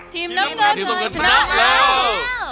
ทีมน้ำเงินชนะแล้ว